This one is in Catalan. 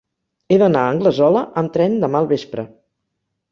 He d'anar a Anglesola amb tren demà al vespre.